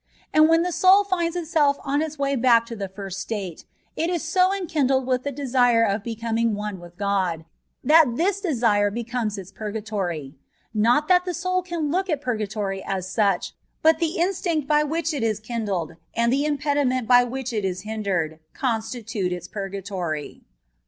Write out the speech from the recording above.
And when the soul finds itself on its way back to that first state, it is so enkindled with the desire of becoming one with God, that this desire becomes its purgatory ; not that the soul can look at purgatory as such, but the instinct by which it is kindled, and the impediment by which it is hisr dered, constitute its purgatory.